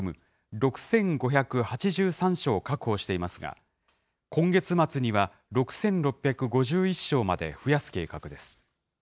６５８３床を確保していますが、今月末には６６５１床まで増やす計画です。